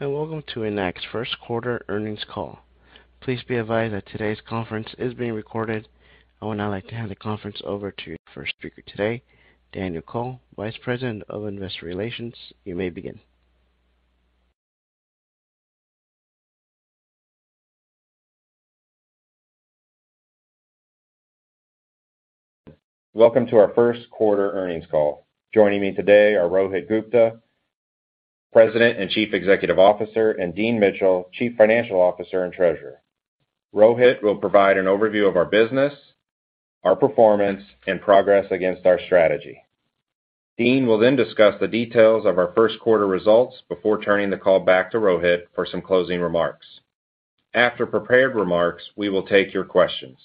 Welcome to Enact's first quarter earnings call. Please be advised that today's conference is being recorded. I would now like to hand the conference over to first speaker today, Daniel Kohl, Vice President of Investor Relations. You may begin. Welcome to our first quarter earnings call. Joining me today are Rohit Gupta, President and Chief Executive Officer, and Dean Mitchell, Chief Financial Officer and Treasurer. Rohit will provide an overview of our business, our performance, and progress against our strategy. Dean will then discuss the details of our first quarter results before turning the call back to Rohit for some closing remarks. After prepared remarks, we will take your questions.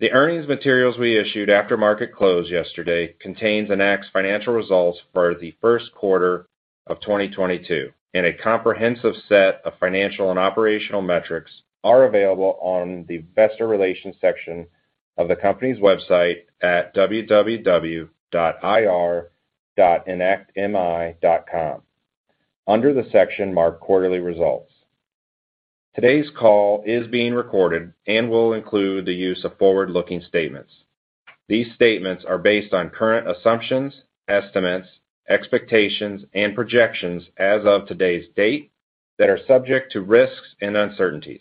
The earnings materials we issued after market close yesterday contains Enact's financial results for the first quarter of 2022, and a comprehensive set of financial and operational metrics are available on the Investor Relations section of the company's website at ir.enactmi.com, under the section marked Quarterly Results. Today's call is being recorded and will include the use of forward-looking statements. These statements are based on current assumptions, estimates, expectations, and projections as of today's date that are subject to risks and uncertainties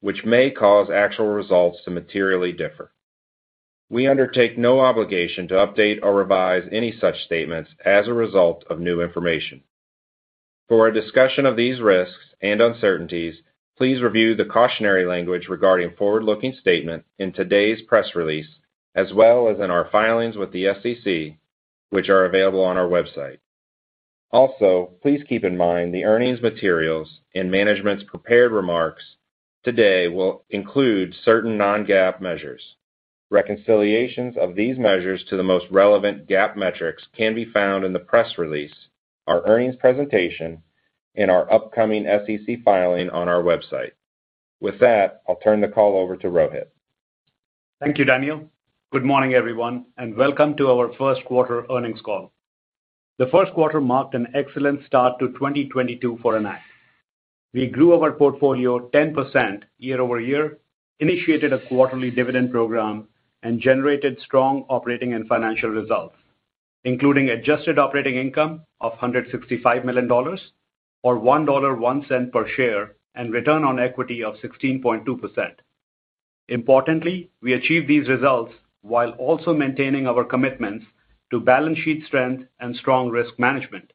which may cause actual results to materially differ. We undertake no obligation to update or revise any such statements as a result of new information. For a discussion of these risks and uncertainties, please review the cautionary language regarding forward-looking statements in today's press release, as well as in our filings with the SEC, which are available on our website. Also, please keep in mind the earnings materials and management's prepared remarks today will include certain non-GAAP measures. Reconciliations of these measures to the most relevant GAAP metrics can be found in the press release, our earnings presentation, and in our upcoming SEC filing on our website. With that, I'll turn the call over to Rohit. Thank you, Daniel. Good morning, everyone, and welcome to our first quarter earnings call. The first quarter marked an excellent start to 2022 for Enact. We grew our portfolio 10% year-over-year, initiated a quarterly dividend program, and generated strong operating and financial results, including adjusted operating income of $165 million or $1.01 per share, and return on equity of 16.2%. Importantly, we achieved these results while also maintaining our commitments to balance sheet strength and strong risk management.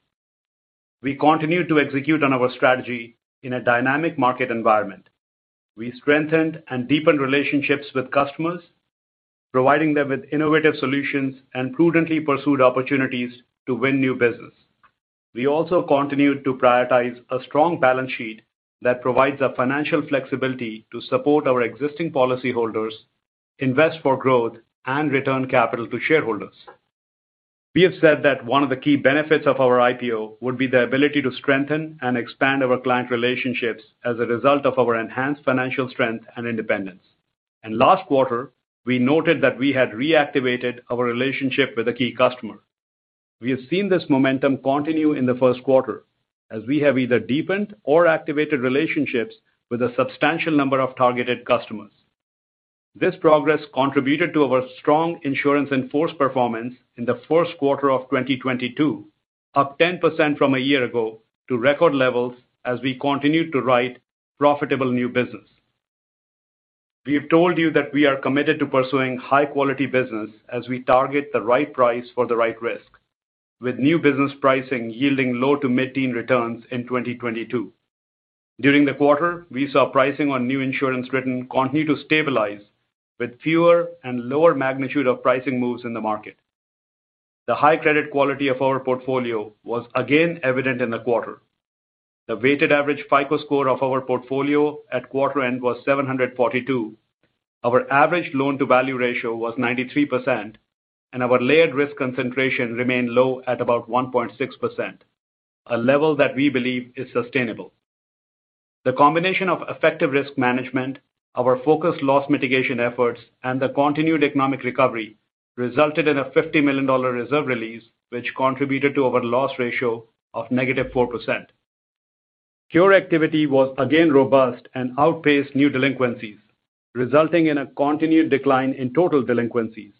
We continued to execute on our strategy in a dynamic market environment. We strengthened and deepened relationships with customers, providing them with innovative solutions, and prudently pursued opportunities to win new business. We also continued to prioritize a strong balance sheet that provides the financial flexibility to support our existing policy holders, invest for growth, and return capital to shareholders. We have said that one of the key benefits of our IPO would be the ability to strengthen and expand our client relationships as a result of our enhanced financial strength and independence. Last quarter, we noted that we had reactivated our relationship with a key customer. We have seen this momentum continue in the first quarter as we have either deepened or activated relationships with a substantial number of targeted customers. This progress contributed to our strong insurance in-force performance in the first quarter of 2022, up 10% from a year ago to record levels as we continued to write profitable new business. We have told you that we are committed to pursuing high quality business as we target the right price for the right risk. With new business pricing yielding low to mid-teen returns in 2022. During the quarter, we saw pricing on new insurance written continue to stabilize with fewer and lower magnitude of pricing moves in the market. The high credit quality of our portfolio was again evident in the quarter. The weighted average FICO score of our portfolio at quarter end was 742. Our average loan-to-value ratio was 93%, and our layered risk concentration remained low at about 1.6%, a level that we believe is sustainable. The combination of effective risk management, our focused loss mitigation efforts, and the continued economic recovery resulted in a $50 million reserve release, which contributed to our loss ratio of -4%. Cure activity was again robust and outpaced new delinquencies, resulting in a continued decline in total delinquencies.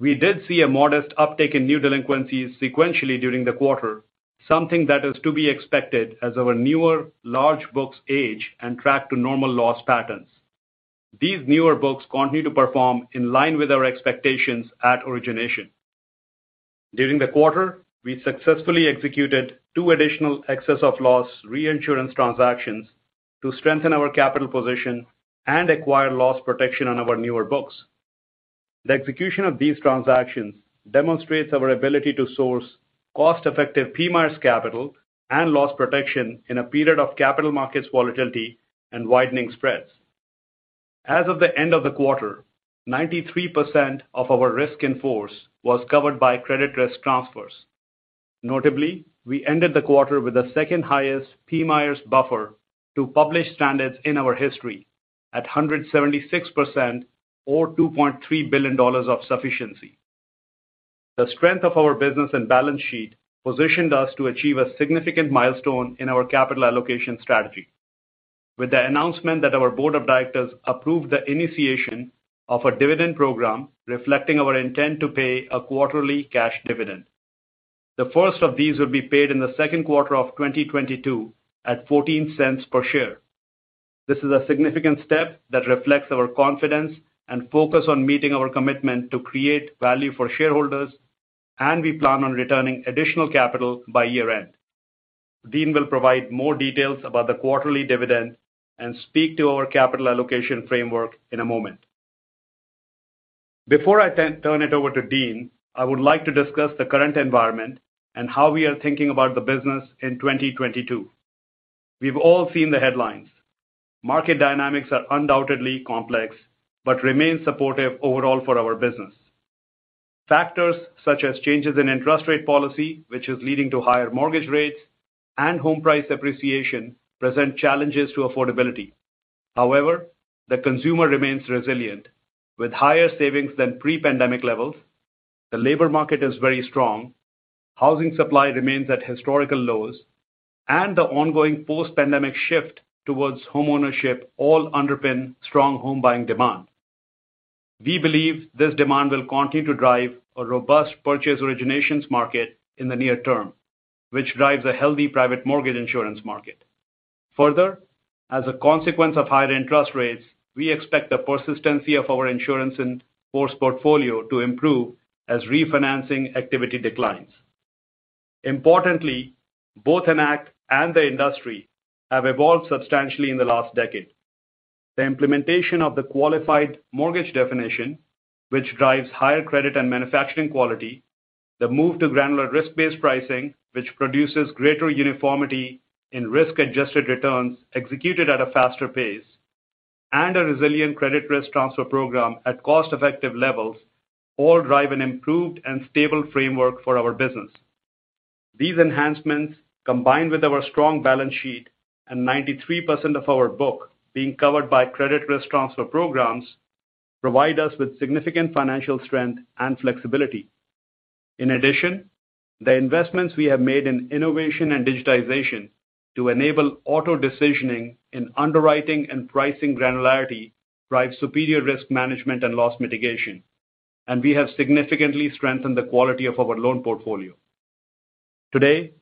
We did see a modest uptick in new delinquencies sequentially during the quarter, something that is to be expected as our newer large books age and track to normal loss patterns. These newer books continue to perform in line with our expectations at origination. During the quarter, we successfully executed 2 additional excess of loss reinsurance transactions to strengthen our capital position and acquire loss protection on our newer books. The execution of these transactions demonstrates our ability to source cost-effective PMIERs capital and loss protection in a period of capital markets volatility and widening spreads. As of the end of the quarter, 93% of our risk in force was covered by credit risk transfers. Notably, we ended the quarter with the second highest PMIERs buffer to published standards in our history at 176% or $2.3 billion of sufficiency. The strength of our business and balance sheet positioned us to achieve a significant milestone in our capital allocation strategy, with the announcement that our board of directors approved the initiation of a dividend program reflecting our intent to pay a quarterly cash dividend. The first of these will be paid in the second quarter of 2022 at 14 cents per share. This is a significant step that reflects our confidence and focus on meeting our commitment to create value for shareholders, and we plan on returning additional capital by year-end. Dean will provide more details about the quarterly dividend and speak to our capital allocation framework in a moment. Before I turn it over to Dean, I would like to discuss the current environment and how we are thinking about the business in 2022. We've all seen the headlines. Market dynamics are undoubtedly complex, but remain supportive overall for our business. Factors such as changes in interest rate policy, which is leading to higher mortgage rates and home price appreciation, present challenges to affordability. However, the consumer remains resilient. With higher savings than pre-pandemic levels, the labor market is very strong, housing supply remains at historical lows, and the ongoing post-pandemic shift towards homeownership all underpin strong home buying demand. We believe this demand will continue to drive a robust purchase originations market in the near term, which drives a healthy private mortgage insurance market. Further, as a consequence of higher interest rates, we expect the persistency of our insurance in force portfolio to improve as refinancing activity declines. Importantly, both Enact and the industry have evolved substantially in the last decade. The implementation of the Qualified Mortgage definition, which drives higher credit and manufacturing quality, the move to granular risk-based pricing, which produces greater uniformity in risk-adjusted returns executed at a faster pace, and a resilient credit risk transfer program at cost-effective levels all drive an improved and stable framework for our business. These enhancements, combined with our strong balance sheet and 93% of our book being covered by credit risk transfer programs, provide us with significant financial strength and flexibility. In addition, the investments we have made in innovation and digitization to enable auto decisioning in underwriting and pricing granularity drive superior risk management and loss mitigation, and we have significantly strengthened the quality of our loan portfolio. Today,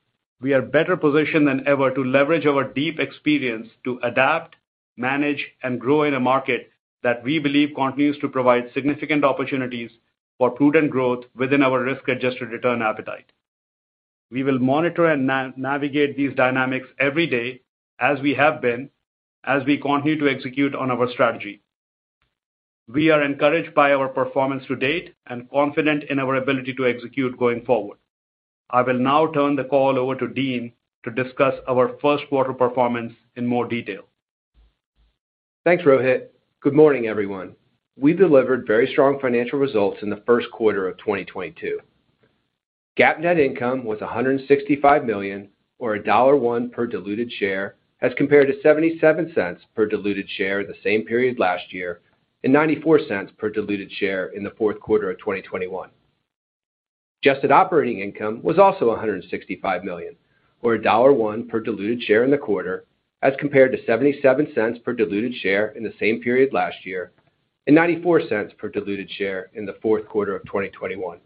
we are better positioned than ever to leverage our deep experience to adapt, manage, and grow in a market that we believe continues to provide significant opportunities for prudent growth within our risk-adjusted return appetite. We will monitor and navigate these dynamics every day as we continue to execute on our strategy. We are encouraged by our performance to date and confident in our ability to execute going forward. I will now turn the call over to Dean to discuss our first quarter performance in more detail. Thanks, Rohit. Good morning, everyone. We delivered very strong financial results in the first quarter of 2022. GAAP net income was $165 million or $1.01 per diluted share as compared to $0.77 per diluted share the same period last year, and $0.94 per diluted share in the fourth quarter of 2021. Adjusted operating income was also $165 million or $1.01 per diluted share in the quarter as compared to $0.77 per diluted share in the same period last year, and $0.94 per diluted share in the fourth quarter of 2021.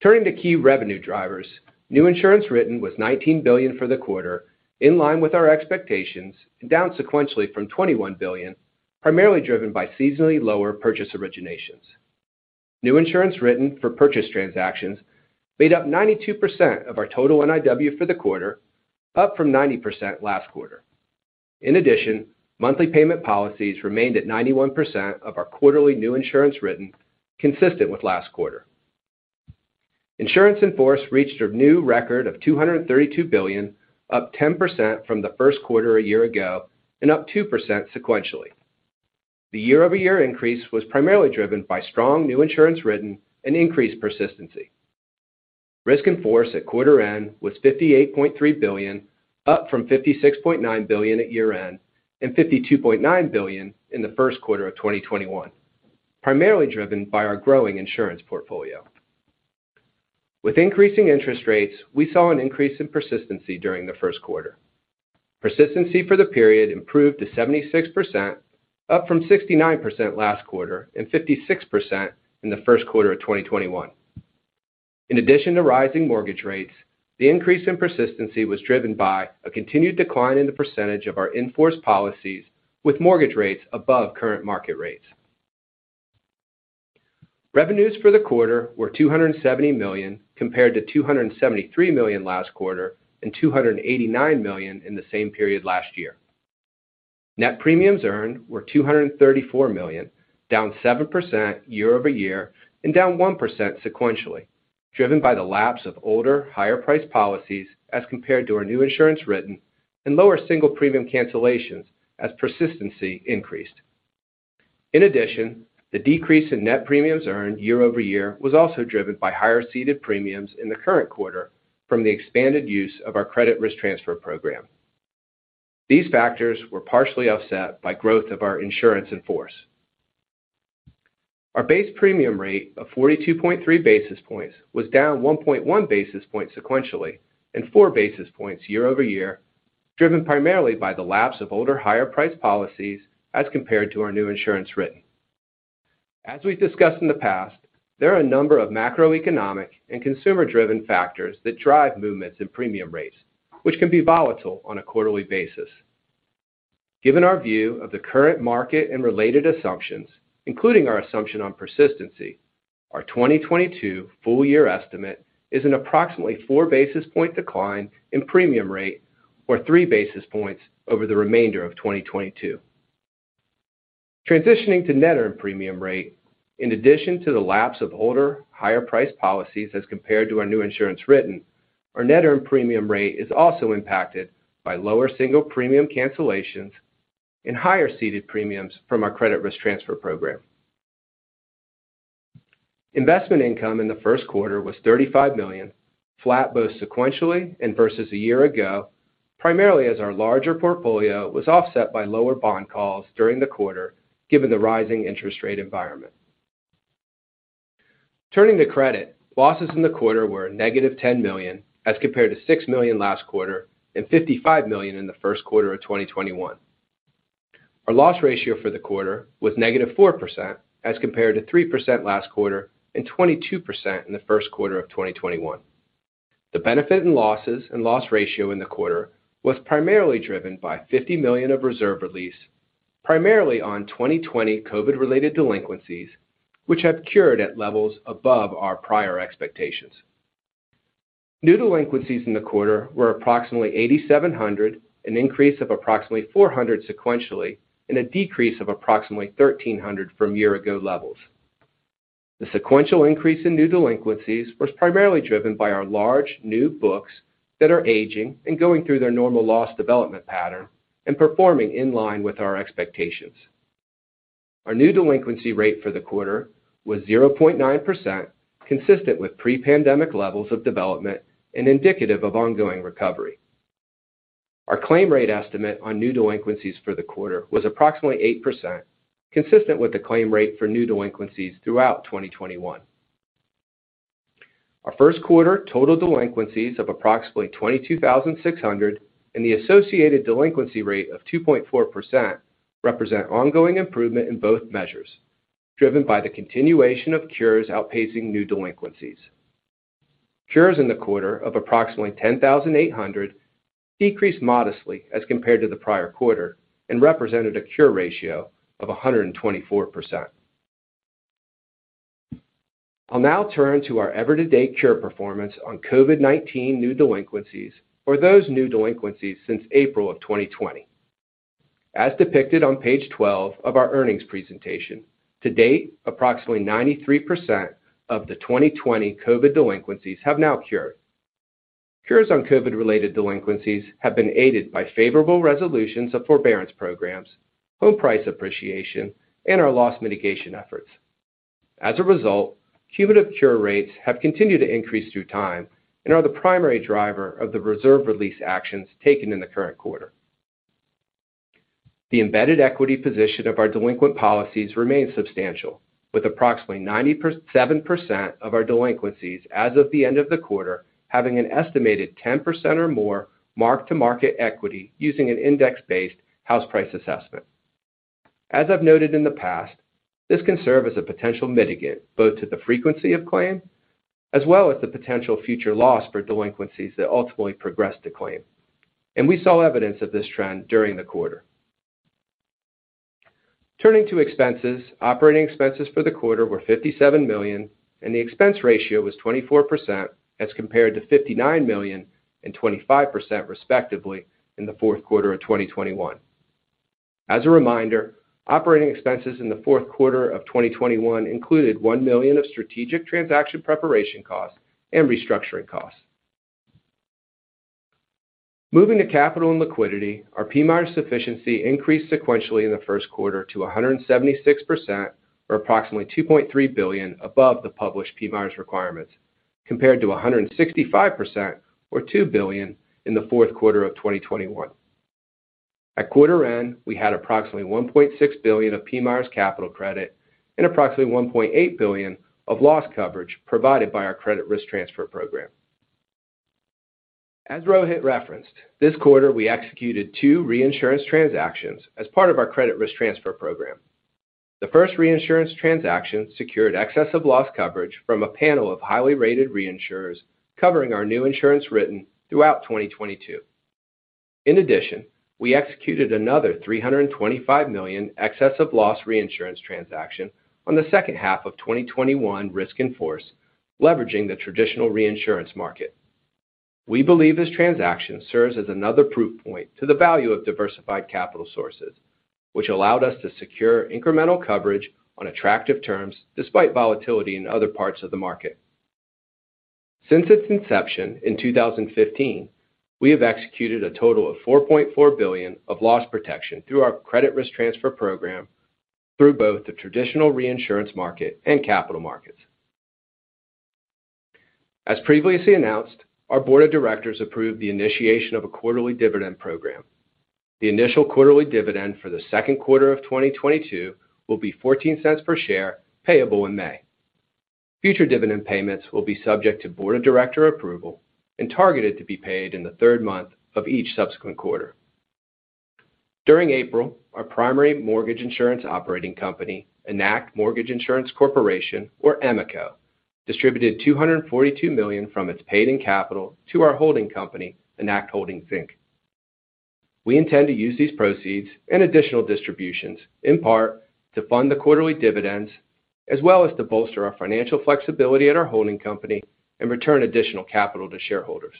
Turning to key revenue drivers, new insurance written was $19 billion for the quarter, in line with our expectations and down sequentially from $21 billion, primarily driven by seasonally lower purchase originations. New insurance written for purchase transactions made up 92% of our total NIW for the quarter, up from 90% last quarter. In addition, monthly payment policies remained at 91% of our quarterly new insurance written, consistent with last quarter. Insurance in force reached a new record of $232 billion, up 10% from the first quarter a year ago and up 2% sequentially. The year-over-year increase was primarily driven by strong new insurance written and increased persistency. Risk in force at quarter end was $58.3 billion, up from $56.9 billion at year-end and $52.9 billion in the first quarter of 2021, primarily driven by our growing insurance portfolio. With increasing interest rates, we saw an increase in persistency during the first quarter. Persistency for the period improved to 76%, up from 69% last quarter and 56% in the first quarter of 2021. In addition to rising mortgage rates, the increase in persistency was driven by a continued decline in the percentage of our in-force policies with mortgage rates above current market rates. Revenues for the quarter were $270 million compared to $273 million last quarter and $289 million in the same period last year. Net premiums earned were $234 million, down 7% year-over-year and down 1% sequentially, driven by the lapse of older, higher-priced policies as compared to our new insurance written and lower single premium cancellations as persistency increased. In addition, the decrease in net premiums earned year-over-year was also driven by higher ceded premiums in the current quarter from the expanded use of our credit risk transfer program. These factors were partially offset by growth of our insurance in force. Our base premium rate of 42.3 basis points was down 1.1 basis points sequentially and 4 basis points year over year, driven primarily by the lapse of older higher priced policies as compared to our new insurance written. As we've discussed in the past, there are a number of macroeconomic and consumer-driven factors that drive movements in premium rates, which can be volatile on a quarterly basis. Given our view of the current market and related assumptions, including our assumption on persistency, our 2022 full year estimate is an approximately 4 basis points decline in premium rate or 3 basis points over the remainder of 2022. Transitioning to net earned premium rate, in addition to the lapse of older, higher priced policies as compared to our new insurance written, our net earned premium rate is also impacted by lower single premium cancellations and higher ceded premiums from our credit risk transfer program. Investment income in the first quarter was $35 million, flat both sequentially and versus a year ago, primarily as our larger portfolio was offset by lower bond calls during the quarter, given the rising interest rate environment. Turning to credit, losses in the quarter were negative $10 million, as compared to $6 million last quarter and $55 million in the first quarter of 2021. Our loss ratio for the quarter was negative 4% as compared to 3% last quarter and 22% in the first quarter of 2021. The benefit in losses and loss ratio in the quarter was primarily driven by $50 million of reserve release, primarily on 2020 COVID related delinquencies, which have cured at levels above our prior expectations. New delinquencies in the quarter were approximately 8,700, an increase of approximately 400 sequentially, and a decrease of approximately 1,300 from year ago levels. The sequential increase in new delinquencies was primarily driven by our large new books that are aging and going through their normal loss development pattern and performing in line with our expectations. Our new delinquency rate for the quarter was 0.9%, consistent with pre-pandemic levels of development and indicative of ongoing recovery. Our claim rate estimate on new delinquencies for the quarter was approximately 8%, consistent with the claim rate for new delinquencies throughout 2021. Our first quarter total delinquencies of approximately 22,600 and the associated delinquency rate of 2.4% represent ongoing improvement in both measures driven by the continuation of cures outpacing new delinquencies. Cures in the quarter of approximately 10,800 decreased modestly as compared to the prior quarter and represented a cure ratio of 124%. I'll now turn to our year-to-date cure performance on COVID-19 new delinquencies or those new delinquencies since April of 2020. As depicted on page 12 of our earnings presentation, to date, approximately 93% of the 2020 COVID delinquencies have now cured. Cures on COVID-related delinquencies have been aided by favorable resolutions of forbearance programs, home price appreciation, and our loss mitigation efforts. As a result, cumulative cure rates have continued to increase through time and are the primary driver of the reserve release actions taken in the current quarter. The embedded equity position of our delinquent policies remains substantial, with approximately 97% of our delinquencies as of the end of the quarter having an estimated 10% or more mark to market equity using an index-based house price assessment. As I've noted in the past, this can serve as a potential mitigant both to the frequency of claim as well as the potential future loss for delinquencies that ultimately progress to claim. We saw evidence of this trend during the quarter. Turning to expenses, operating expenses for the quarter were $57 million, and the expense ratio was 24% as compared to $59 million and 25%, respectively, in the fourth quarter of 2021. As a reminder, operating expenses in the fourth quarter of 2021 included $1 million of strategic transaction preparation costs and restructuring costs. Moving to capital and liquidity, our PMIERs sufficiency increased sequentially in the first quarter to 176%, or approximately $2.3 billion above the published PMIERs requirements, compared to 165% or $2 billion in the fourth quarter of 2021. At quarter end, we had approximately $1.6 billion of PMIERs capital credit and approximately $1.8 billion of loss coverage provided by our credit risk transfer program. As Rohit referenced, this quarter we executed 2 reinsurance transactions as part of our credit risk transfer program. The first reinsurance transaction secured excess of loss coverage from a panel of highly rated reinsurers covering our new insurance written throughout 2022. In addition, we executed another $325 million excess of loss reinsurance transaction on the second half of 2021 risk in force, leveraging the traditional reinsurance market. We believe this transaction serves as another proof point to the value of diversified capital sources, which allowed us to secure incremental coverage on attractive terms despite volatility in other parts of the market. Since its inception in 2015, we have executed a total of $4.4 billion of loss protection through our credit risk transfer program through both the traditional reinsurance market and capital markets. As previously announced, our board of directors approved the initiation of a quarterly dividend program. The initial quarterly dividend for the second quarter of 2022 will be $0.14 per share payable in May. Future dividend payments will be subject to board of director approval and targeted to be paid in the third month of each subsequent quarter. During April, our primary mortgage insurance operating company, Enact Mortgage Insurance Corporation, or EMICO, distributed $242 million from its paid-in capital to our holding company, Enact Holdings, Inc. We intend to use these proceeds and additional distributions in part to fund the quarterly dividends, as well as to bolster our financial flexibility at our holding company and return additional capital to shareholders.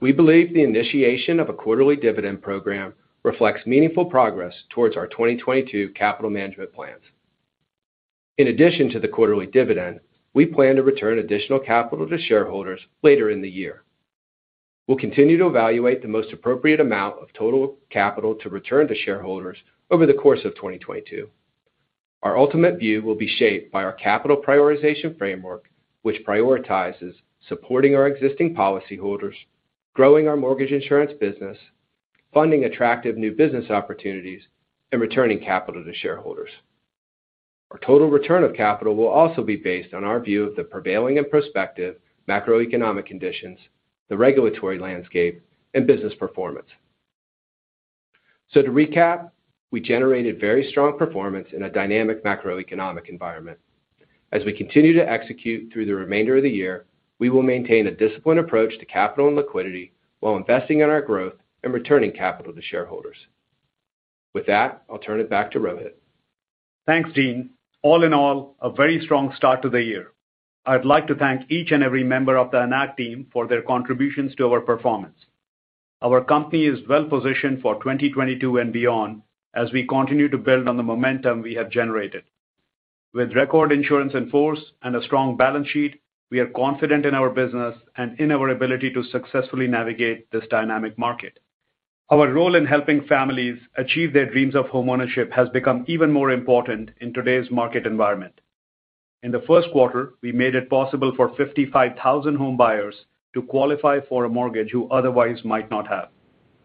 We believe the initiation of a quarterly dividend program reflects meaningful progress towards our 2022 capital management plans. In addition to the quarterly dividend, we plan to return additional capital to shareholders later in the year. We'll continue to evaluate the most appropriate amount of total capital to return to shareholders over the course of 2022. Our ultimate view will be shaped by our capital prioritization framework, which prioritizes supporting our existing policy holders, growing our mortgage insurance business, funding attractive new business opportunities, and returning capital to shareholders. Our total return of capital will also be based on our view of the prevailing and prospective macroeconomic conditions, the regulatory landscape, and business performance. To recap, we generated very strong performance in a dynamic macroeconomic environment. As we continue to execute through the remainder of the year, we will maintain a disciplined approach to capital and liquidity while investing in our growth and returning capital to shareholders. With that, I'll turn it back to Rohit. Thanks, Dean. All in all, a very strong start to the year. I'd like to thank each and every member of the Enact team for their contributions to our performance. Our company is well-positioned for 2022 and beyond as we continue to build on the momentum we have generated. With record insurance in force and a strong balance sheet, we are confident in our business and in our ability to successfully navigate this dynamic market. Our role in helping families achieve their dreams of homeownership has become even more important in today's market environment. In the first quarter, we made it possible for 55,000 homebuyers to qualify for a mortgage who otherwise might not have,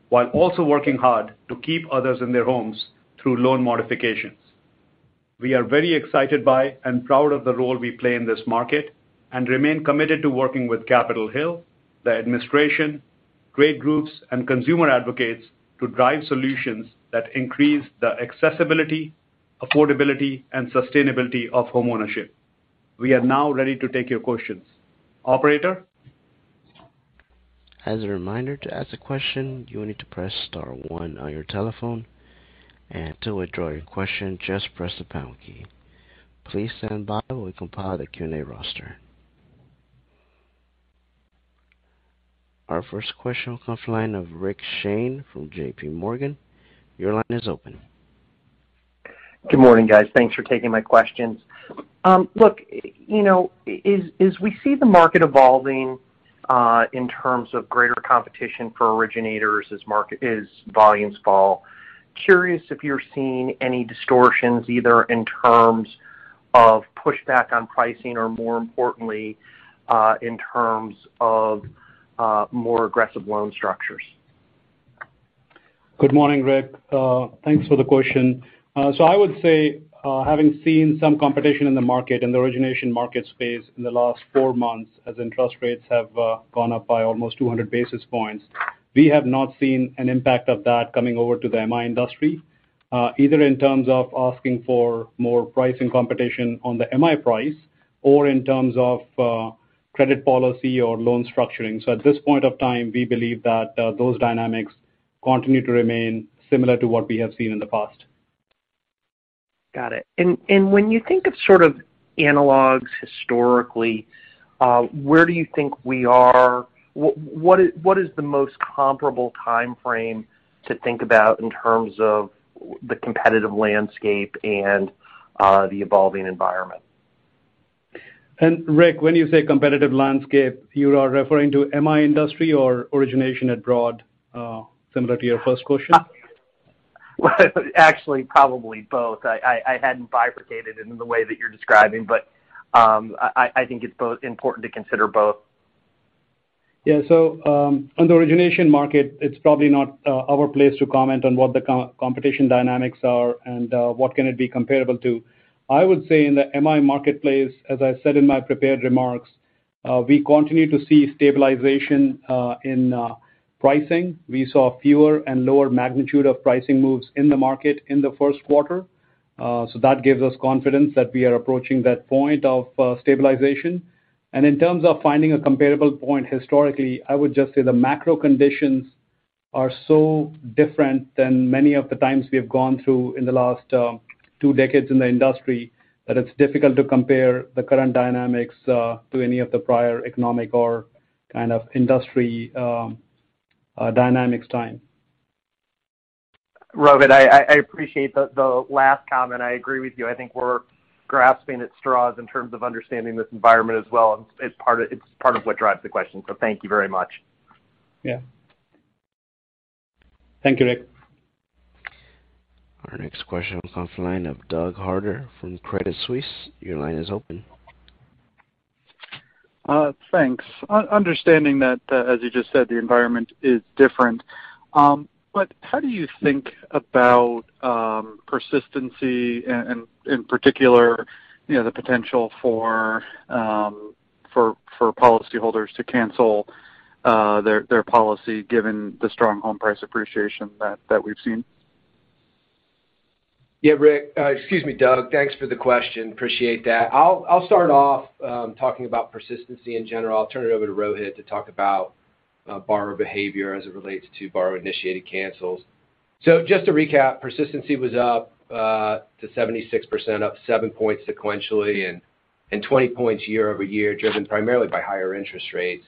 while also working hard to keep others in their homes through loan modifications. We are very excited by and proud of the role we play in this market and remain committed to working with Capitol Hill, the administration, trade groups, and consumer advocates to drive solutions that increase the accessibility, affordability, and sustainability of homeownership. We are now ready to take your questions. Operator? As a reminder, to ask a question, you will need to press star one on your telephone, and to withdraw your question, just press the pound key. Please stand by while we compile the Q&A roster. Our first question comes from the line of Rick Shane from J.P. Morgan. Your line is open. Good morning, guys. Thanks for taking my questions. Look, you know, as we see the market evolving in terms of greater competition for originators as volumes fall, curious if you're seeing any distortions either in terms of pushback on pricing or more importantly in terms of more aggressive loan structures. Good morning, Rick. Thanks for the question. I would say, having seen some competition in the market, in the origination market space in the last four months, as interest rates have gone up by almost 200 basis points, we have not seen an impact of that coming over to the MI industry, either in terms of asking for more pricing competition on the MI price or in terms of credit policy or loan structuring. At this point of time, we believe that those dynamics continue to remain similar to what we have seen in the past. Got it. When you think of sort of analogs historically, where do you think we are? What is the most comparable time frame to think about in terms of the competitive landscape and the evolving environment? Rick, when you say competitive landscape, you are referring to MI industry or origination at large, similar to your first question? Well, actually probably both. I hadn't bifurcated it in the way that you're describing, but, I think it's both important to consider both. Yeah. On the origination market, it's probably not our place to comment on what the competition dynamics are and what can it be comparable to. I would say in the MI marketplace, as I said in my prepared remarks, we continue to see stabilization in pricing. We saw fewer and lower magnitude of pricing moves in the market in the first quarter. That gives us confidence that we are approaching that point of stabilization. In terms of finding a comparable point historically, I would just say the macro conditions are so different than many of the times we have gone through in the last two decades in the industry, that it's difficult to compare the current dynamics to any of the prior economic or kind of industry dynamics at the time. Rohit, I appreciate the last comment. I agree with you. I think we're grasping at straws in terms of understanding this environment as well, and it's part of what drives the question. Thank you very much. Yeah. Thank you, Rick. Our next question comes from the line of Douglas Harter from Credit Suisse. Your line is open. Thanks. Understanding that, as you just said, the environment is different, but how do you think about persistency and, in particular, you know, the potential for policyholders to cancel their policy given the strong home price appreciation that we've seen? Yeah, Rick. Excuse me, Doug. Thanks for the question. Appreciate that. I'll start off talking about persistency in general. I'll turn it over to Rohit to talk about borrower behavior as it relates to borrower-initiated cancels. Just to recap, persistency was up to 76%, up 7 points sequentially and 20 points year-over-year, driven primarily by higher interest rates.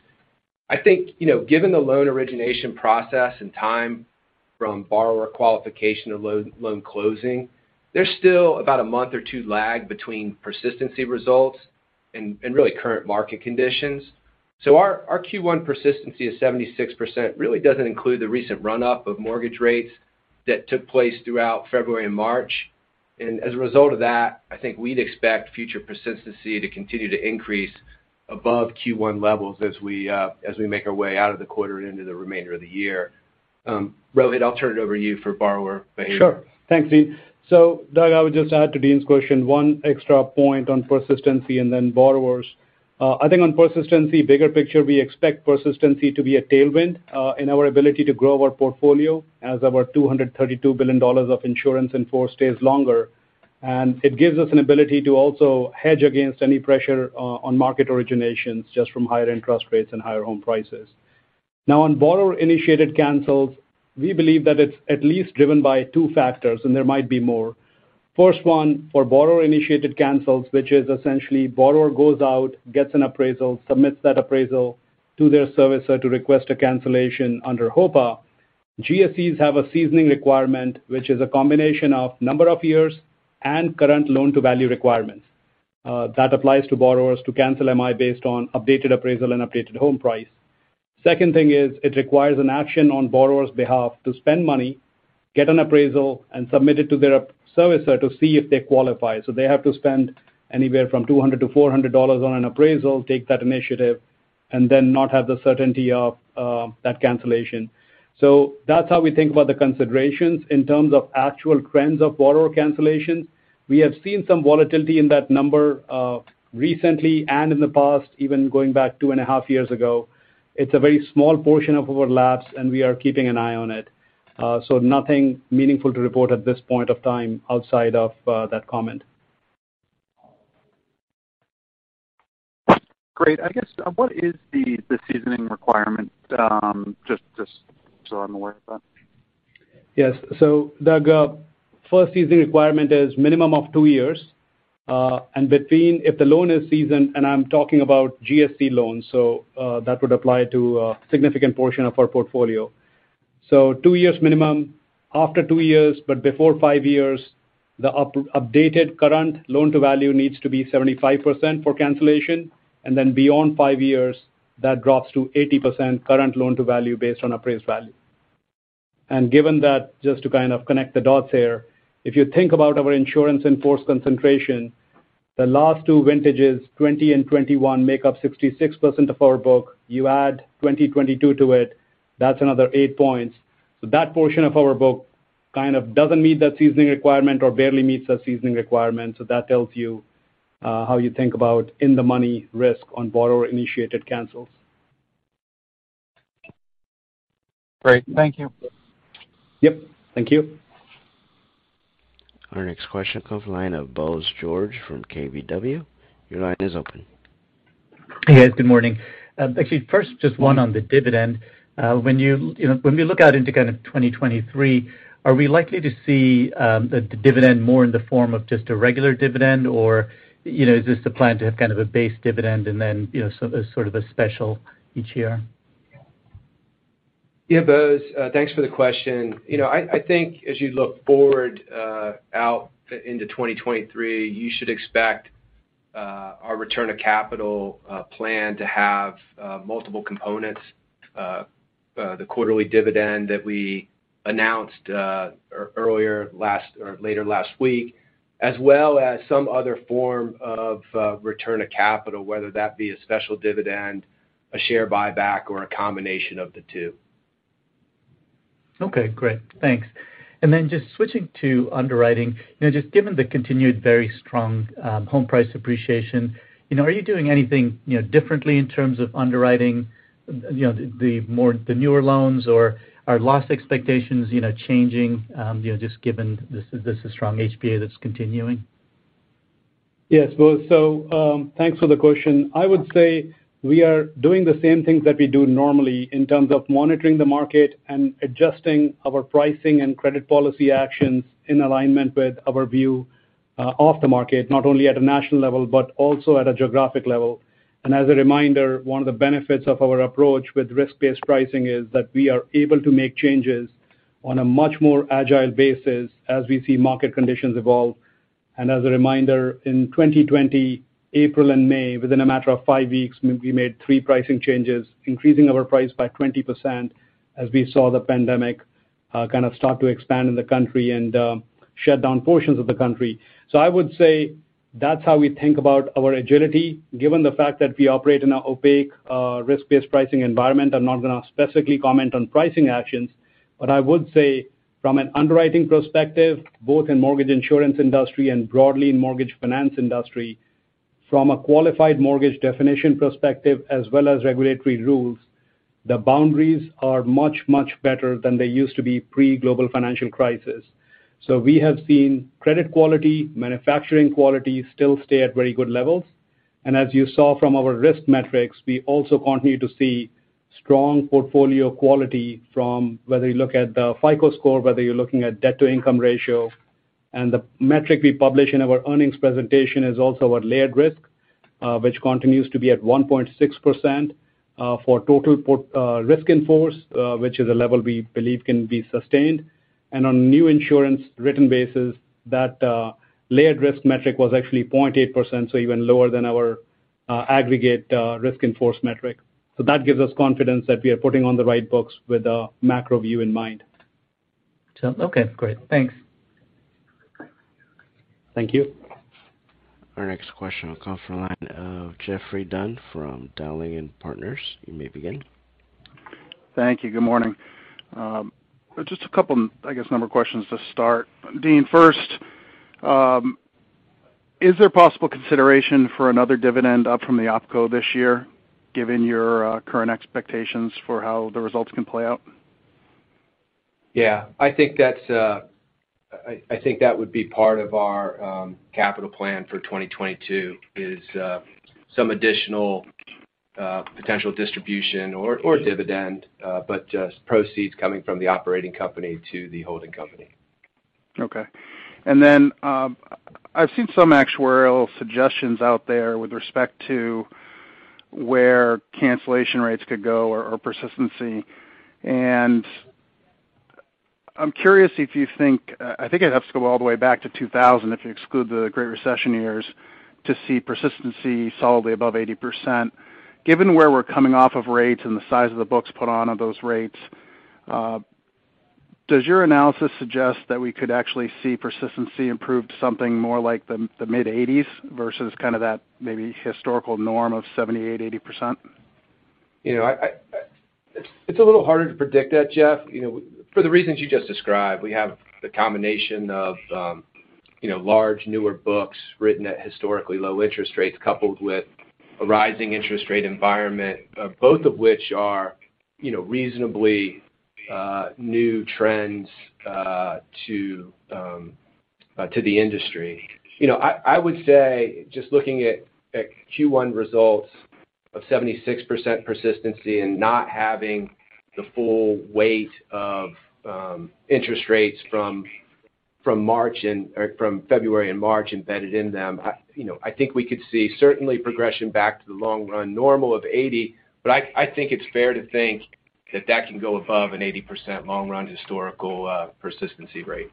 I think, you know, given the loan origination process and time from borrower qualification to loan closing, there's still about a month or two lag between persistency results and really current market conditions. Our Q1 persistency of 76% really doesn't include the recent run-up of mortgage rates that took place throughout February and March. As a result of that, I think we'd expect future persistency to continue to increase above Q1 levels as we make our way out of the quarter and into the remainder of the year. Rohit, I'll turn it over to you for borrower behavior. Sure. Thanks, Dean. Doug, I would just add to Dean's question one extra point on persistency and then borrowers. I think on persistency, bigger picture, we expect persistency to be a tailwind in our ability to grow our portfolio as our $232 billion of insurance in force stays longer. It gives us an ability to also hedge against any pressure on market originations just from higher interest rates and higher home prices. Now, on borrower-initiated cancels, we believe that it's at least driven by two factors, and there might be more. First one, for borrower-initiated cancels, which is essentially borrower goes out, gets an appraisal, submits that appraisal to their servicer to request a cancellation under HOPA. GSEs have a seasoning requirement, which is a combination of number of years and current loan-to-value requirements. That applies to borrowers to cancel MI based on updated appraisal and updated home price. Second thing is it requires an action on borrower's behalf to spend money, get an appraisal, and submit it to their servicer to see if they qualify. They have to spend anywhere from $200 to $400 on an appraisal, take that initiative, and then not have the certainty of that cancellation. That's how we think about the considerations. In terms of actual trends of borrower cancellation, we have seen some volatility in that number recently and in the past, even going back two and a half years ago. It's a very small portion of our lapses, and we are keeping an eye on it. Nothing meaningful to report at this point of time outside of that comment. Great. I guess, what is the seasoning requirement, just so I'm aware of that? Yes. Doug, first seasoning requirement is minimum of two years, and if the loan is seasoned, and I'm talking about GSE loans, that would apply to a significant portion of our portfolio. Two years minimum. After two years, but before five years, the updated current loan to value needs to be 75% for cancellation. Beyond five years, that drops to 80% current loan to value based on appraised value. Given that, just to kind of connect the dots here, if you think about our insurance in force concentration, the last two vintages, 2020 and 2021, make up 66% of our book. You add 2020, 2022 to it, that's another eight points. That portion of our book kind of doesn't meet that seasoning requirement or barely meets that seasoning requirement. That tells you how you think about in the money risk on borrower-initiated cancels. Great. Thank you. Yep. Thank you. Our next question comes from the line of Bose George from KBW. Your line is open. Hey, guys. Good morning. Actually, first, just one on the dividend. When we look out into kind of 2023, are we likely to see the dividend more in the form of just a regular dividend? Or is this the plan to have kind of a base dividend and then sort of a special each year? Yeah, Bose, thanks for the question. You know, I think as you look forward out into 2023, you should expect our return of capital plan to have multiple components. The quarterly dividend that we announced earlier this week, as well as some other form of return of capital, whether that be a special dividend, a share buyback, or a combination of the two. Okay. Great. Thanks. Just switching to underwriting. You know, just given the continued very strong home price appreciation, you know, are you doing anything, you know, differently in terms of underwriting, you know, the more, the newer loans? Or are loss expectations, you know, changing, you know, just given this strong HPA that's continuing? Yes, Bose. Thanks for the question. I would say we are doing the same things that we do normally in terms of monitoring the market and adjusting our pricing and credit policy actions in alignment with our view of the market, not only at a national level, but also at a geographic level. As a reminder, one of the benefits of our approach with risk-based pricing is that we are able to make changes on a much more agile basis as we see market conditions evolve. As a reminder, in 2020, April and May, within a matter of 5 weeks, we made 3 pricing changes, increasing our price by 20% as we saw the pandemic kind of start to expand in the country and shut down portions of the country. I would say that's how we think about our agility. Given the fact that we operate in an opaque risk-based pricing environment, I'm not gonna specifically comment on pricing actions. I would say from an underwriting perspective, both in mortgage insurance industry and broadly in mortgage finance industry, from a Qualified Mortgage definition perspective as well as regulatory rules, the boundaries are much, much better than they used to be pre-Global Financial Crisis. We have seen credit quality, manufacturing quality still stay at very good levels. As you saw from our risk metrics, we also continue to see strong portfolio quality from whether you look at the FICO score, whether you're looking at debt-to-income ratio. The metric we publish in our earnings presentation is also our layered risk, which continues to be at 1.6% for total risk in force, which is a level we believe can be sustained. On new insurance written basis, that layered risk metric was actually 0.8%, so even lower than our aggregate risk in force metric. That gives us confidence that we are putting on the right books with a macro view in mind. Okay, great. Thanks. Thank you. Our next question will come from the line of Geoffrey Dunn from Dowling & Partners. You may begin. Thank you. Good morning. Just a couple. I guess, number of questions to start. Dean, first, is there possible consideration for another dividend up from the opco this year, given your current expectations for how the results can play out? Yeah. I think that's, I think that would be part of our capital plan for 2022, is some additional potential distribution or dividend, but just proceeds coming from the operating company to the holding company. Okay. I've seen some actuarial suggestions out there with respect to where cancellation rates could go or persistency, and I'm curious if you think, I think it'd have to go all the way back to 2000 if you exclude the Great Recession years to see persistency solidly above 80%. Given where we're coming off of rates and the size of the books put on at those rates, does your analysis suggest that we could actually see persistency improve to something more like the mid-80s versus kind of that maybe historical norm of 78%-80%? You know, I. It's a little harder to predict that, Jeff. You know, for the reasons you just described, we have the combination of, you know, large, newer books written at historically low interest rates, coupled with a rising interest rate environment, both of which are, you know, reasonably new trends to the industry. You know, I would say, just looking at Q1 results of 76% persistency and not having the full weight of interest rates from February and March embedded in them, I, you know, I think we could see certainly progression back to the long run normal of 80, but I think it's fair to think that that can go above an 80% long run historical persistency rate.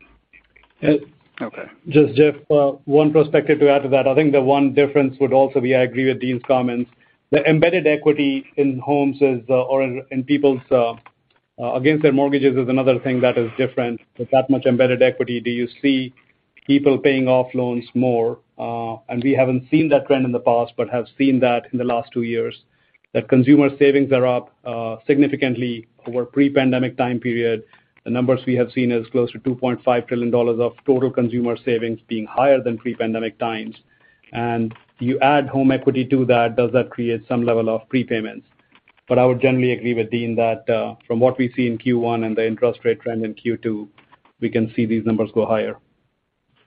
Okay. Just, Jeffrey, one perspective to add to that. I think the one difference would also be. I agree with Dean's comments. The embedded equity in homes is, or in people's against their mortgages is another thing that is different. With that much embedded equity, do you see people paying off loans more? We haven't seen that trend in the past, but have seen that in the last two years, that consumer savings are up, significantly over pre-pandemic time period. The numbers we have seen is close to $2.5 trillion of total consumer savings being higher than pre-pandemic times. You add home equity to that, does that create some level of prepayments? I would generally agree with Dean that, from what we see in Q1 and the interest rate trend in Q2, we can see these numbers go higher.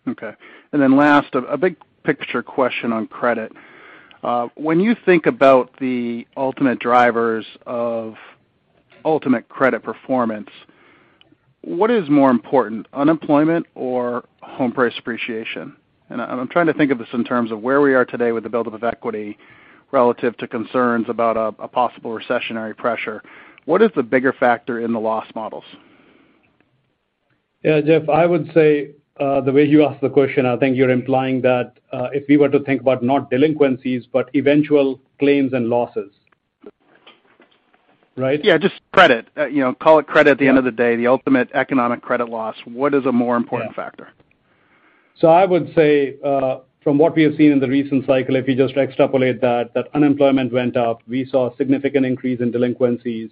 Okay. Last, big picture question on credit. When you think about the ultimate drivers of ultimate credit performance, what is more important, unemployment or home price appreciation? I'm trying to think of this in terms of where we are today with the buildup of equity relative to concerns about possible recessionary pressure. What is the bigger factor in the loss models? Yeah, Jeff, I would say, the way you ask the question, I think you're implying that, if we were to think about not delinquencies, but eventual claims and losses, right? Yeah, just credit. You know, call it credit at the end of the day, the ultimate economic credit loss. What is a more important factor? I would say, from what we have seen in the recent cycle, if you just extrapolate that unemployment went up. We saw a significant increase in delinquencies,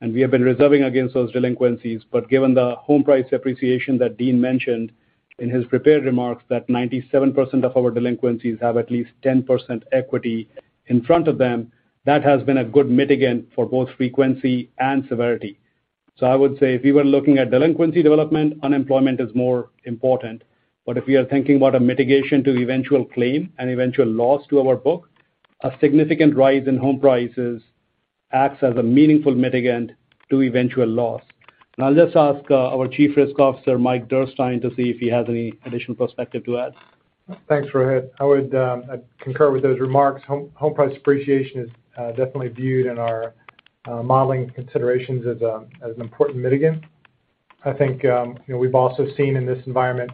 and we have been reserving against those delinquencies. Given the home price appreciation that Dean mentioned in his prepared remarks, that 97% of our delinquencies have at least 10% equity in front of them, that has been a good mitigant for both frequency and severity. I would say if you were looking at delinquency development, unemployment is more important. If you are thinking about a mitigation to eventual claim and eventual loss to our book, a significant rise in home prices acts as a meaningful mitigant to eventual loss. I'll just ask our Chief Risk Officer, Mike Derstine, to see if he has any additional perspective to add. Thanks, Rohit. I would concur with those remarks. Home price appreciation is definitely viewed in our modeling considerations as an important mitigant. I think, you know, we've also seen in this environment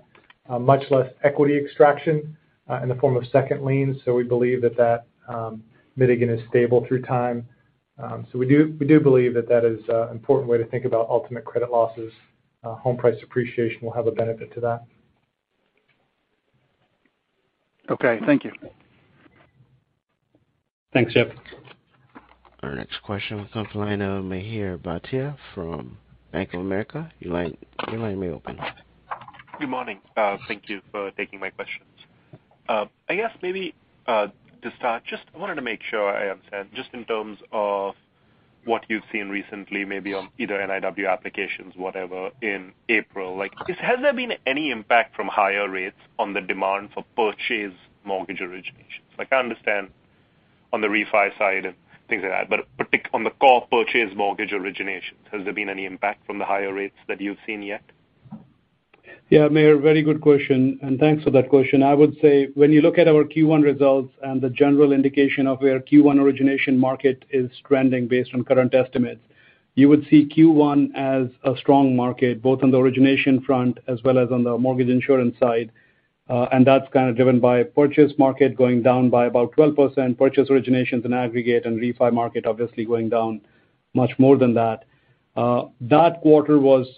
much less equity extraction in the form of second lien. We believe that mitigant is stable through time. We do believe that is important way to think about ultimate credit losses. Home price appreciation will have a benefit to that. Okay, thank you. Thanks, Jeff. Our next question comes from the line of Mihir Bhatia from Bank of America. Your line is open. Good morning. Thank you for taking my questions. I guess maybe to start, just wanted to make sure I understand just in terms of what you've seen recently, maybe on either NIW applications, whatever, in April. Like, has there been any impact from higher rates on the demand for purchase mortgage originations? Like, I understand on the refi side and things like that, but take on the core purchase mortgage originations, has there been any impact from the higher rates that you've seen yet? Yeah, Mihir, very good question, and thanks for that question. I would say when you look at our Q1 results and the general indication of where Q1 origination market is trending based on current estimates, you would see Q1 as a strong market, both on the origination front as well as on the mortgage insurance side. That's kind of driven by purchase market going down by about 12%, purchase originations in aggregate and refi market obviously going down much more than that. That quarter was,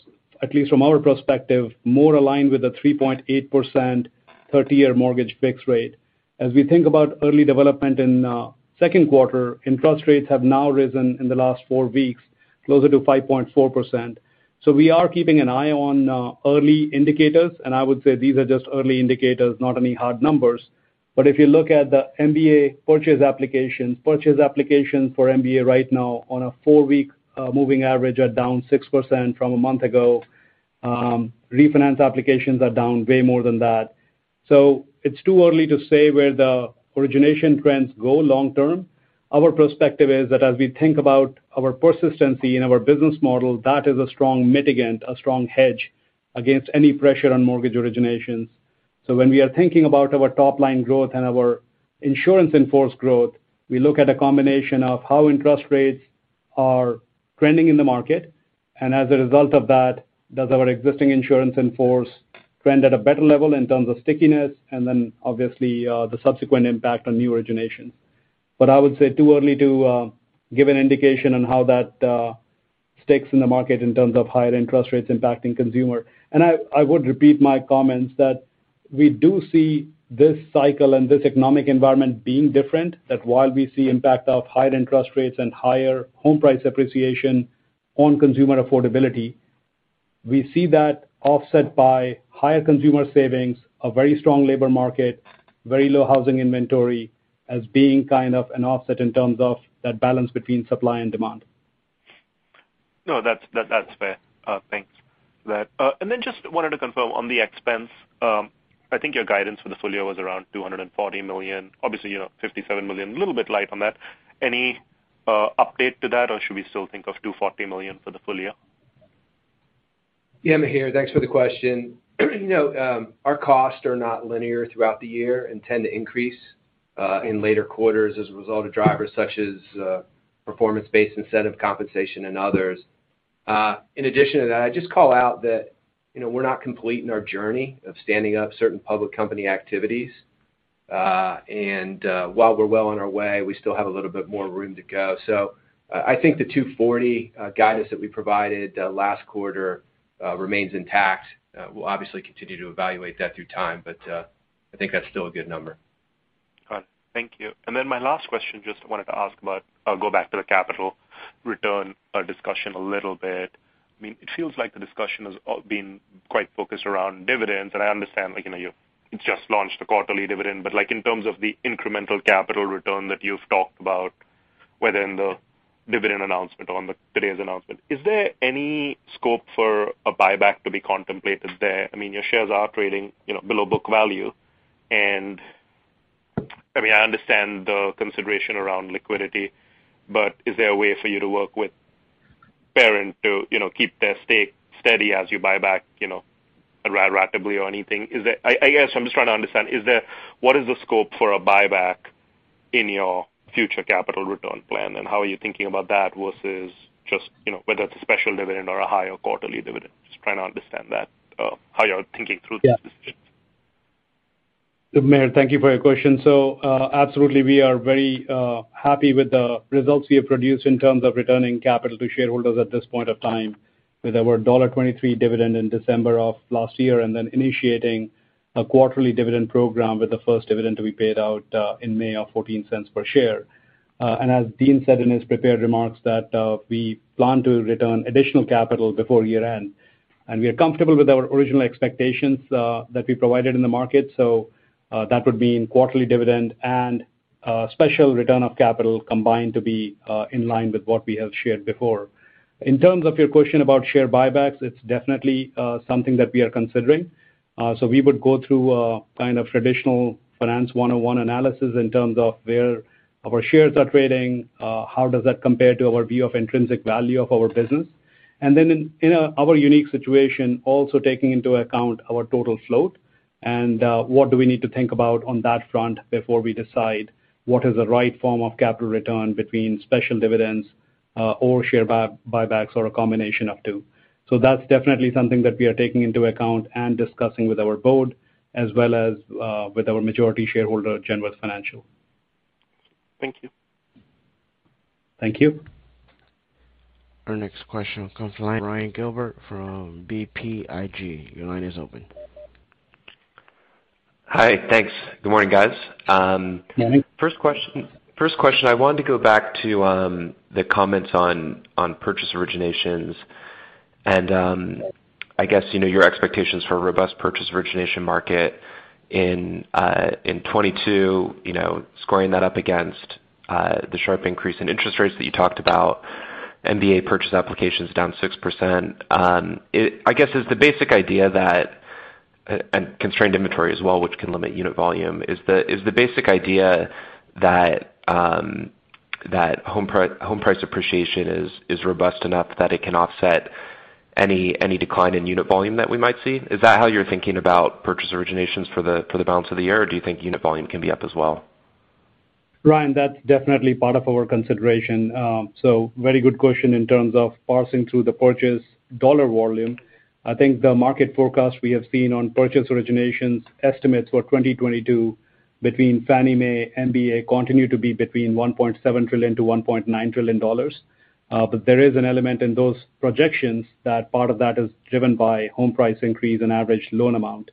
at least from our perspective, more aligned with the 3.8% 30-year mortgage fixed rate. As we think about early developments in second quarter, interest rates have now risen in the last four weeks closer to 5.4%. We are keeping an eye on early indicators, and I would say these are just early indicators, not any hard numbers. If you look at the MBA purchase applications right now on a four-week moving average are down 6% from a month ago. Refinance applications are down way more than that. It's too early to say where the origination trends go long term. Our perspective is that as we think about our persistency in our business model, that is a strong mitigant, a strong hedge against any pressure on mortgage originations. When we are thinking about our top-line growth and our insurance in force growth, we look at a combination of how interest rates are trending in the market, and as a result of that, does our existing insurance in force trend at a better level in terms of stickiness, and then obviously, the subsequent impact on new originations. I would say too early to give an indication on how that sticks in the market in terms of higher interest rates impacting consumer. I would repeat my comments that we do see this cycle and this economic environment being different, that while we see impact of higher interest rates and higher home price appreciation on consumer affordability, we see that offset by higher consumer savings, a very strong labor market, very low housing inventory as being kind of an offset in terms of that balance between supply and demand. No, that's fair. Thanks for that. Just wanted to confirm on the expense. I think your guidance for the full year was around $240 million. Obviously, you know, $57 million, little bit light on that. Any update to that, or should we still think of $240 million for the full year? Yeah, Mihir, thanks for the question. You know, our costs are not linear throughout the year and tend to increase in later quarters as a result of drivers such as performance-based incentive compensation and others. In addition to that, I just call out that, you know, we're not complete in our journey of standing up certain public company activities. While we're well on our way, we still have a little bit more room to go. I think the $240 guidance that we provided last quarter remains intact. We'll obviously continue to evaluate that through time, but I think that's still a good number. Got it. Thank you. My last question, just wanted to ask about. I'll go back to the capital return discussion a little bit. I mean, it feels like the discussion has been quite focused around dividends. I understand, like, you know, you've just launched a quarterly dividend. Like, in terms of the incremental capital return that you've talked about, whether in the dividend announcement or on today's announcement, is there any scope for a buyback to be contemplated there? I mean, your shares are trading, you know, below book value. I mean, I understand the consideration around liquidity, but is there a way for you to work with parent to, you know, keep their stake steady as you buy back, you know, ratably or anything? I guess I'm just trying to understand, what is the scope for a buyback in your future capital return plan, and how are you thinking about that versus just, you know, whether it's a special dividend or a higher quarterly dividend? Just trying to understand that, how you're thinking through these decisions. Yeah. Mihir, thank you for your question. Absolutely we are very happy with the results we have produced in terms of returning capital to shareholders at this point of time with our $23 dividend in December of last year, and then initiating a quarterly dividend program with the first dividend to be paid out in May of $0.14 per share. As Dean said in his prepared remarks that we plan to return additional capital before year-end. We are comfortable with our original expectations that we provided in the market. That would mean quarterly dividend and special return of capital combined to be in line with what we have shared before. In terms of your question about share buybacks, it's definitely something that we are considering. We would go through a kind of traditional finance one-on-one analysis in terms of where our shares are trading, how does that compare to our view of intrinsic value of our business. Then in our unique situation, also taking into account our total float. What do we need to think about on that front before we decide what is the right form of capital return between special dividends, or share buybacks or a combination of two. That's definitely something that we are taking into account and discussing with our board as well as with our majority shareholder, Genworth Financial. Thank you. Thank you. Our next question comes from the line Ryan Gilbert from BTIG. Your line is open. Hi. Thanks. Good morning, guys. Good morning. First question, I wanted to go back to the comments on purchase originations and I guess, you know, your expectations for a robust purchase origination market in 2022, you know, squaring that up against the sharp increase in interest rates that you talked about, MBA purchase applications down 6%. I guess is the basic idea that constrained inventory as well, which can limit unit volume. Is the basic idea that home price appreciation is robust enough that it can offset any decline in unit volume that we might see? Is that how you're thinking about purchase originations for the balance of the year, or do you think unit volume can be up as well? Ryan, that's definitely part of our consideration. Very good question in terms of parsing through the purchase dollar volume. I think the market forecast we have seen on purchase originations estimates for 2022 between Fannie Mae, MBA continue to be between $1.7 trillion-$1.9 trillion. But there is an element in those projections that part of that is driven by home price increase and average loan amount.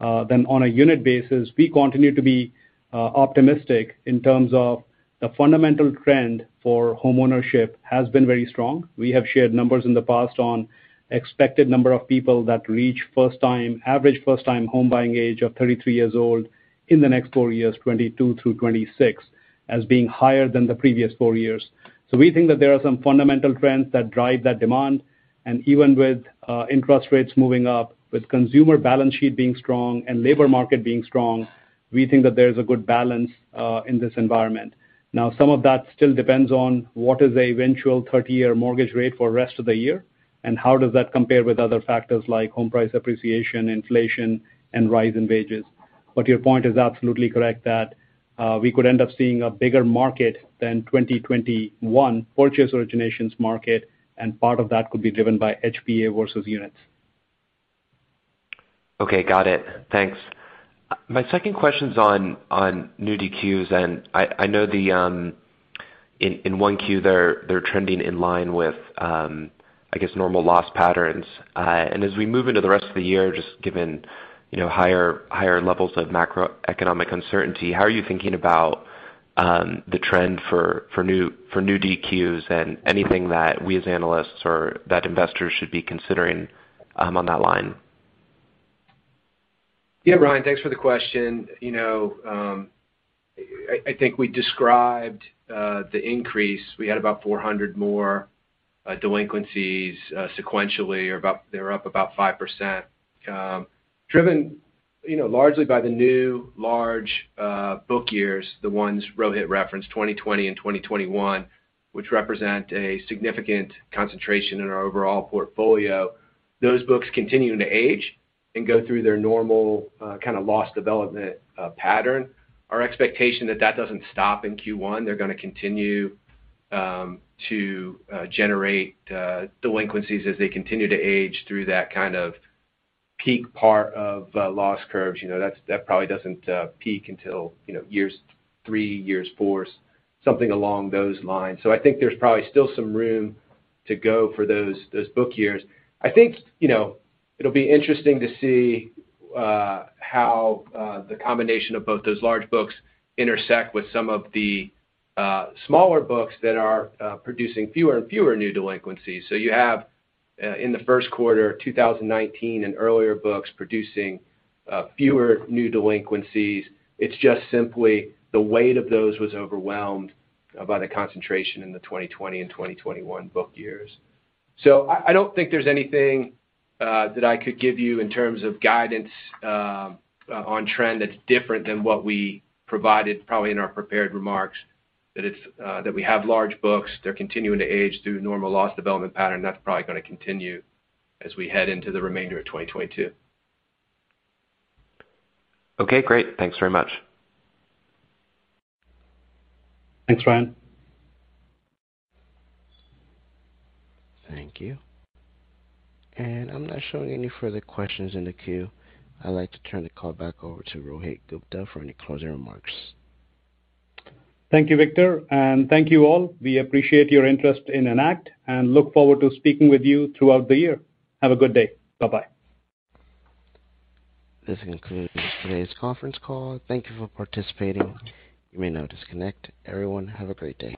On a unit basis, we continue to be optimistic in terms of the fundamental trend for homeownership has been very strong. We have shared numbers in the past on expected number of people that reach first time, average first time home buying age of 33 years old in the next four years, 2022 through 2026, as being higher than the previous four years. We think that there are some fundamental trends that drive that demand, and even with interest rates moving up, with consumer balance sheet being strong and labor market being strong, we think that there's a good balance in this environment. Now, some of that still depends on what is the eventual 30-year mortgage rate for rest of the year, and how does that compare with other factors like home price appreciation, inflation, and rise in wages. Your point is absolutely correct that we could end up seeing a bigger market than 2021 purchase originations market, and part of that could be driven by HPA versus units. Okay. Got it. Thanks. My second question's on new DQs, and I know in 1Q they're trending in line with, I guess, normal loss patterns. As we move into the rest of the year, just given, you know, higher levels of macroeconomic uncertainty, how are you thinking about the trend for new DQs and anything that we as analysts or that investors should be considering on that line? Yeah. Ryan, thanks for the question. You know, I think we described the increase. We had about 400 more delinquencies sequentially, or about 5%, driven, you know, largely by the new large book years, the ones Rohit referenced, 2020 and 2021, which represent a significant concentration in our overall portfolio. Those books continue to age and go through their normal kinda loss development pattern. Our expectation that that doesn't stop in Q1, they're gonna continue to generate delinquencies as they continue to age through that kind of peak part of loss curves. You know, that probably doesn't peak until, you know, years three, years four, something along those lines. So I think there's probably still some room to go for those book years. I think, you know, it'll be interesting to see how the combination of both those large books intersect with some of the smaller books that are producing fewer and fewer new delinquencies. You have, in the first quarter, 2019 and earlier books producing fewer new delinquencies. It's just simply the weight of those was overwhelmed by the concentration in the 2020 and 2021 book years. I don't think there's anything that I could give you in terms of guidance on trend that's different than what we provided probably in our prepared remarks, that we have large books. They're continuing to age through normal loss development pattern. That's probably gonna continue as we head into the remainder of 2022. Okay. Great. Thanks very much. Thanks, Ryan. Thank you. I'm not showing any further questions in the queue. I'd like to turn the call back over to Rohit Gupta for any closing remarks. Thank you, Victor, and thank you all. We appreciate your interest in Enact and look forward to speaking with you throughout the year. Have a good day. Bye-bye. This concludes today's conference call. Thank you for participating. You may now disconnect. Everyone, have a great day.